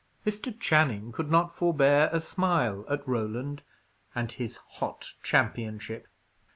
Mr. Channing could not forbear a smile at Roland and his hot championship.